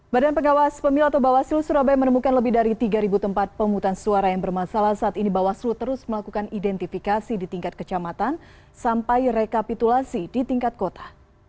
badan pengawas pemilu atau bawaslu surabaya menemukan lebih dari tiga tempat pemungutan suara yang bermasalah saat ini bawaslu terus melakukan identifikasi di tingkat kecamatan sampai rekapitulasi di tingkat kota